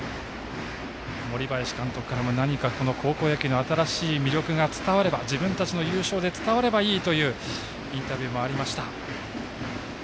森林監督からも何か高校野球の魅力が伝われば、自分たちの優勝で伝わればいいというインタビューもありました。